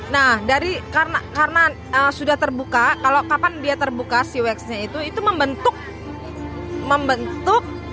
nah dari karena sudah terbuka kalau kapan dia terbuka si waxnya itu itu membentuk batik